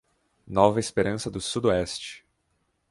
Nova Esperança do Sudoeste